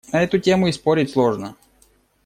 На эту тему и спорить сложно.